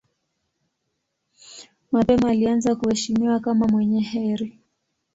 Mapema alianza kuheshimiwa kama mwenye heri.